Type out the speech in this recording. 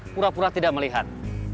pura pura tidak melihat